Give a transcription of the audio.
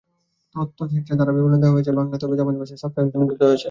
তথ্যচিত্রে ধারাবিবরণী দেওয়া হয়েছে বাংলায়, তবে জাপানি ভাষায় সাবটাইটেল সংযুক্ত রয়েছে।